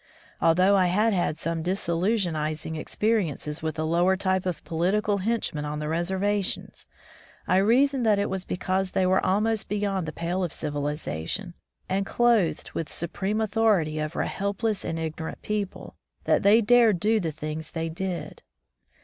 Although I had had some disillusionizing experiences with the lower type of political henchmen on the reservations, I reasoned that it was because they were almost beyond the pale of civiliza tion and clothed with supreme authority over a helpless and ignorant people, that they dared do the things they did.